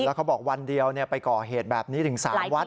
แล้วเขาบอกวันเดียวไปก่อเหตุแบบนี้ถึง๓วัด